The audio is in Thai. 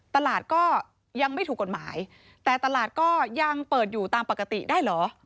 ตลาดก็ยังไม่ถูกกฎหมายแต่ตลาดก็ยังเปิดอยู่ตามปกติได้เหรอ